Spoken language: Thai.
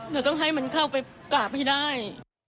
จะต้องให้มันเข้าไปกราบให้ได้